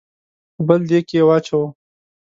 په بل دېګ کې واچوو.